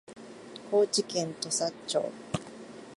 高知県土佐町